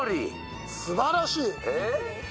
すばらしい！